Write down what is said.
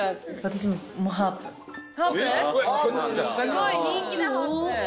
すごい人気だハープ。